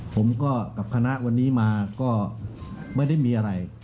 ผมก็กับคณะวันนี้มาก็ไม่ได้มีอะไร